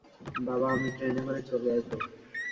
বাবা, আমি ট্রেনে করে চলে আসব।